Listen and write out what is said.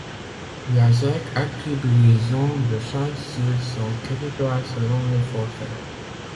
La zec attribue les zones de chasse sur son territoire selon les forfaits.